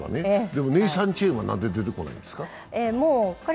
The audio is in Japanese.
でもネイサン・チェンはなんで出てこないんですか？